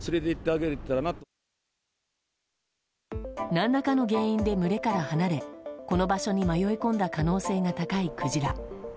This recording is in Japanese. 何らかの原因で群れから離れこの場所に迷い込んだ可能性が高いクジラ。